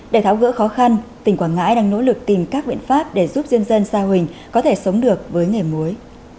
để tháo gỡ khó khăn tỉnh quảng ngãi đang nỗ lực tìm các biện pháp để giúp diên dân sa huỳnh có thể sống được với nghề muối